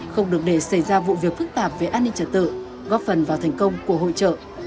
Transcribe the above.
không được để xảy ra vụ việc phức tạp về an ninh trật tự góp phần vào thành công của hội trợ